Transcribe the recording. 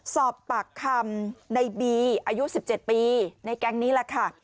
สอบปากคำในบีอายุ๑๗ปีในแก๊งนี้แหละค่ะ